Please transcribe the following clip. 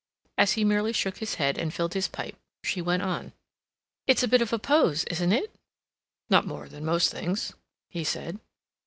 As he merely shook his head, and filled his pipe, she went on: "It's a bit of a pose, isn't it?" "Not more than most things," he said.